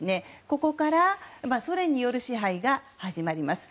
ここからソ連による支配が始まります。